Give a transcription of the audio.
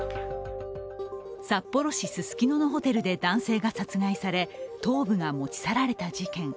札幌市ススキノのホテルで男性が殺害され頭部が持ち去られた事件。